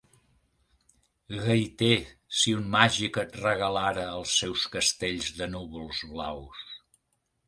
Gaiter, si un màgic et regalara els seus castells de núvols blaus